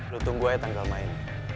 lu tunggu aja tanggal main